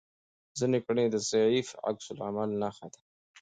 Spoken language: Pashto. ځینې کړنې د ضعیف عکس العمل نښه ده.